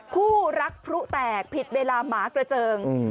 คู่รักพลุแตกผิดเวลาหมากระเจิง